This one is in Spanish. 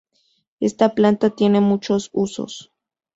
Esta planta tiene muchos usos.